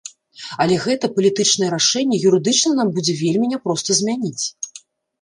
Але гэта палітычнае рашэнне юрыдычна нам будзе вельмі няпроста змяніць.